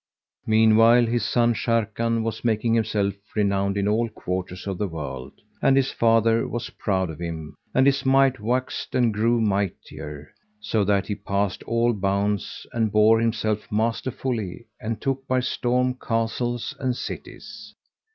Meanwhile his son Sharrkan was making himself renowned in all quarters of the world and his father was proud of him and his might waxed and grew mightier; so that he passed all bounds and bore himself masterfully and took by storm castles and cities.